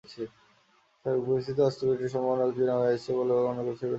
সার্বিক পরিস্থিতিতে অস্ত্রবিরতির সম্ভাবনা ক্ষীণ হয়ে আসছে বলে মনে করছেন বিশ্লেষকেরা।